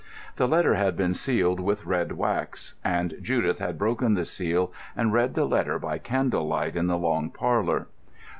The letter had been sealed with red wax, and Judith had broken the seal and read the letter by candle light in the long parlour.